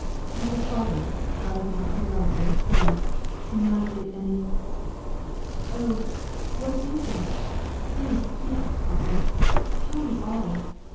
Had her father, out of a natural love for his son, connived at any "Oh! what is it? do speak, papa! tell me all!